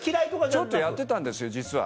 ちょっとやってたんですよ実は。